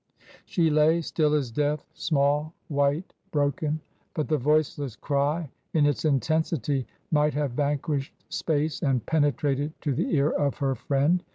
She lay still as death, small, white, broken. But the voiceless cry in its intensity might have vanquished space and penetrated to the ear of her friend.